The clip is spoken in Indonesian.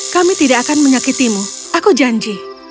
kami tidak akan menyakitimu aku janji